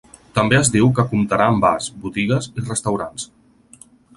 També es diu que comptarà amb bars, botigues i restaurants.